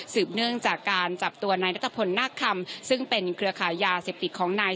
สืบเนื่องจากการจับตัวในนักกระพลหน้าคำซึ่งเป็นเครือขายาเสพติกของนาย